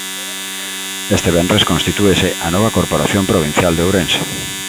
Este venres constitúese a nova corporación provincial de Ourense.